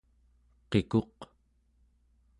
qikuq